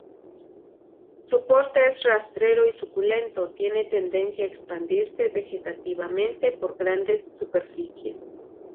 Su porte es rastrero y suculento; tiene tendencia a expandirse vegetativamente por grandes superficies.